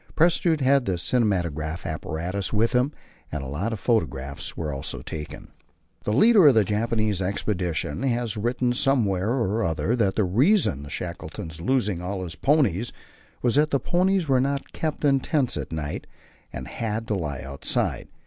Prestrud had the cinematograph apparatus with him, and a lot of photographs were also taken. The leader of the Japanese expedition has written somewhere or other that the reason of Shackleton's losing all his ponies was that the ponies were not kept in tents at night, but had to lie outside.